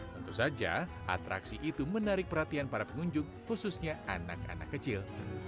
tentu saja atraksi itu menarik perhatian para pengunjung khususnya anak anak kecil